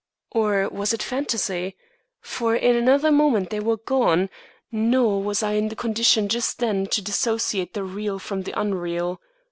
Or was it fantasy? For in another moment they were gone, nor was I in the condition just then to dissociate the real from the unreal.